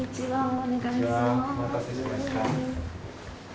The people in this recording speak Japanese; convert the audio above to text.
お願いします。